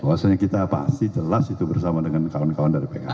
bahwasannya kita pasti jelas itu bersama dengan kawan kawan dari pks